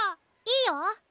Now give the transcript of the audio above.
いいよ。